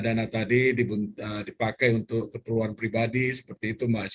dana tadi dipakai untuk keperluan pribadi seperti itu mbak